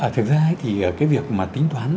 thực ra thì cái việc mà tính toán